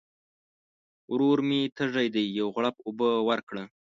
ورور مي تږی دی ، یو غوړپ اوبه ورکړه !